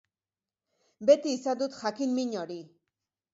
Beti izan dut jakin-min hori.